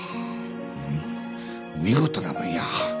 うん見事なもんや。